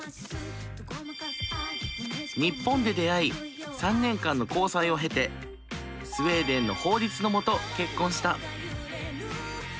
日本で出会い３年間の交際を経てスウェーデンの法律のもと結婚した。